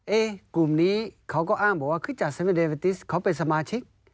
กลุ่มนี้เขาก็อ้างบอกว่าคริสตจักรเซเวติสเขาเป็นสมาชิก